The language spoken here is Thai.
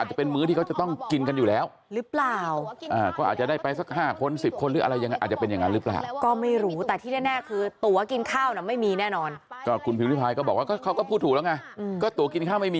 ก็ตัวกินข้าวไม่มีเธอก็ไม่ได้ขายตัวกินข้าว